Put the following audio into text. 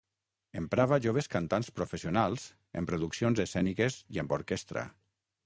Emprava joves cantants professionals en produccions escèniques i amb orquestra.